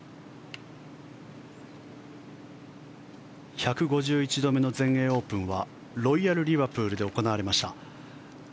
１５１度目の全英オープンはロイヤル・リバプールで行われました。